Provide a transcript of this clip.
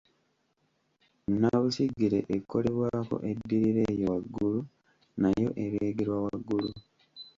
nnabusigire ekolebwako eddirira eyo waggulu nayo ereegerwa waggulu